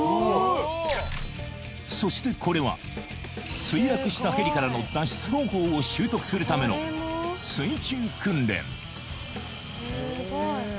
そしてこれは墜落したヘリからの脱出方法を習得するための水中訓練